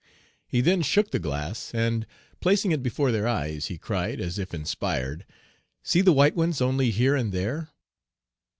He then shook the glass, and, placing it before their eyes, he cried, as if inspired, "See the white ones only here and there."